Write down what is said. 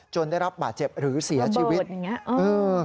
จนได้รับบาดเจ็บหรือเสียชีวิตระเบิดอย่างนี้อื้อ